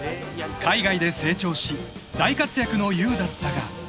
［海外で成長し大活躍の優だったが］